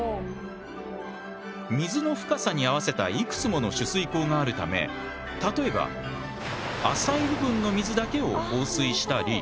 水の深さに合わせたいくつもの取水口があるため例えば浅い部分の水だけを放水したり。